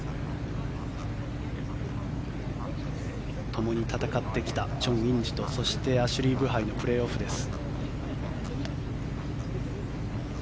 ともに戦ってきたチョン・インジとそしてアシュリー・ブハイのプレーオフです。